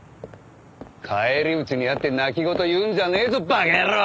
返り討ちに遭って泣き言言うんじゃねえぞ馬鹿野郎！